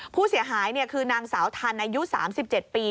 ผู้เสียหายคือนางสาวทันอายุ๓๗ปี